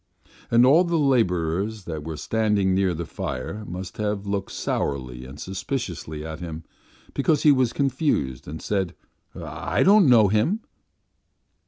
And all the labourers that were standing near the fire must have looked sourly and suspiciously at him, because he was confused and said: 'I don't know Him.